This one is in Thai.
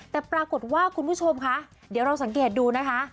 แต่ปรากฏว่าคุณผู้ชมคะเดี๋ยวเราสังเกตดูนะคะ